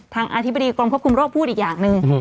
อธิบดีกรมควบคุมโรคพูดอีกอย่างหนึ่ง